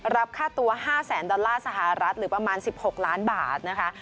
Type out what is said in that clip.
รับค่าตัว๕แสนดอลลาร์สหรัฐหรือประมาณ๑๖ล้านบาทนะคะ